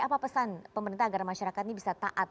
apa pesan pemerintah agar masyarakat ini bisa taat